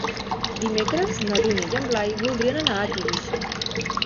Dimecres na Dúnia i en Blai voldrien anar a Tivissa.